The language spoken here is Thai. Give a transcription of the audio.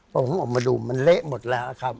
พอผมออกมาดูมันเละหมดแล้วครับ